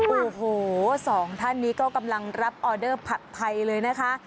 โอ้โหสองท่านนี้ก็กำลังรับออเดอร์ผัดไทยเลยนะคะ